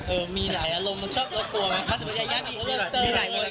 เออมีหลายอารมณ์มันชอบแล้วกลัวมั้ยคะ